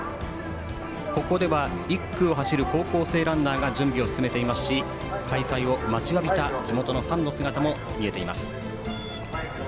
ここでは、１区を走る高校生ランナーが準備を進めていますし開催を待ちわびた地元のファンの姿も見えています。